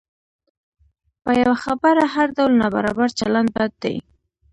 په یوه خبره هر ډول نابرابر چلند بد دی.